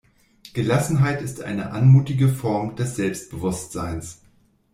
Gelassenheit ist eine anmutige Form des Selbstbewusstseins.